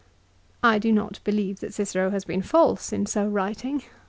l I do not believe that Cicero has been false in so writing.